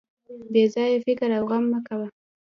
بې ځایه فکر او غم مه کوه.